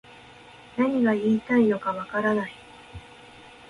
何が言いたいのかわからない